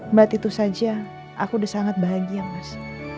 berarti itu saja aku udah sangat bahagia mas